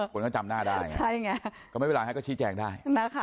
คนก็จำหน้าได้ใช่ไงก็ไม่เป็นไรฮะก็ชี้แจงได้